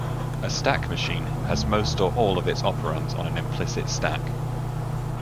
A stack machine has most or all of its operands on an implicit stack.